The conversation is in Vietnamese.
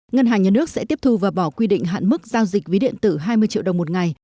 ngân hàng nhà nước sẽ tiếp thu và bỏ quy định hạn mức giao dịch ví điện tử hai mươi triệu đồng một ngày